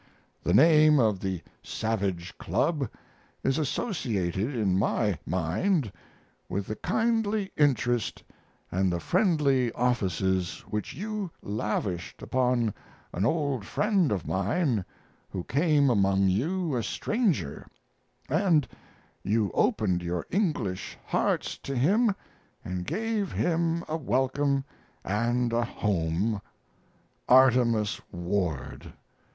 The name of the Savage Club is associated in my mind with the kindly interest and the friendly offices which you lavished upon an old friend of mine who came among you a stranger, and you opened your English hearts to him and gave him a welcome and a home Artemus Ward.